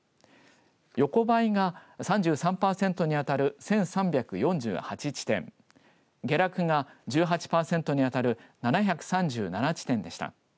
横ばいが３３パーセントに当たる１３４８地点下落が１８パーセントに当たる７３７地点でした。